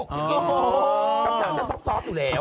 คำถามจะซอบอยู่แล้ว